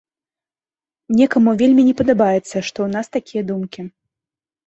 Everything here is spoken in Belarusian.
Некаму вельмі не падабаецца, што ў нас такія думкі.